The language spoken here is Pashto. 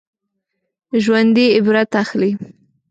ژوندي عبرت اخلي